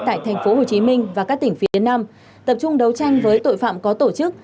tại thành phố hồ chí minh và các tỉnh phía nam tập trung đấu tranh với tội phạm có tổ chức